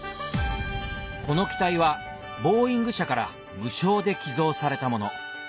この機体はボーイング社から無償で寄贈されたもの